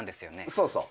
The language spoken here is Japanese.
そうそう。